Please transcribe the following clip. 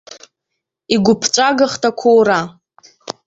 Игәыԥҵәагахт ақәоура.